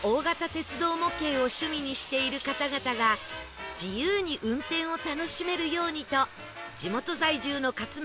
鉄道模型を趣味にしている方々が自由に運転を楽しめるようにと